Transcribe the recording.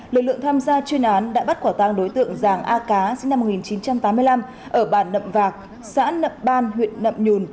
lực lượng tham gia chuyên án đã bắt quả tang đối tượng giàng a cá sinh năm một nghìn chín trăm tám mươi năm ở bàn nậm vạc xã nậm ban huyện nậm nhùn